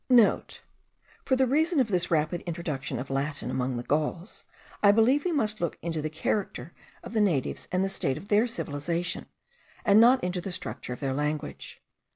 (* For the reason of this rapid introduction of Latin among the Gauls, I believe we must look into the character of the natives and the state of their civilization, and not into the structure of their language.